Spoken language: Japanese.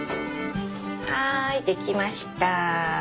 はい出来ました！